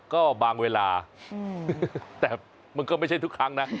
ก็บางเวลาแต่มันก็ไม่ใช่ทุกครั้งนะ